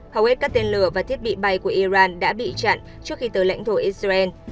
hầu hết các tên lửa và thiết bị bay của iran đã bị chặn trước khi tới lãnh thổ israel